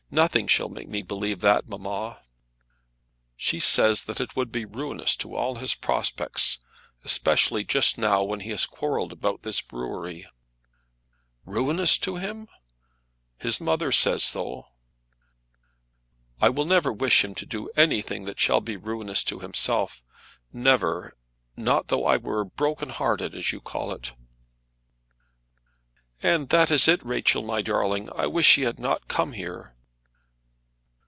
Nothing shall make me believe that, mamma." "She says it would be ruinous to all his prospects, especially just now when he has quarrelled about this brewery." "Ruinous to him!" "His mother says so." "I will never wish him to do anything that shall be ruinous to himself; never; not though I were broken hearted, as you call it." "Ah, that is it, Rachel, my darling; I wish he had not come here."